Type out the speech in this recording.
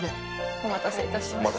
お待たせしました。